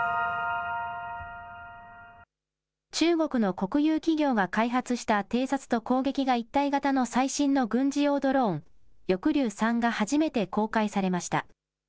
中国の国有企業が開発した偵察と攻撃が一体型の最新の軍事用ドローン、翼竜３が初めて公開されました。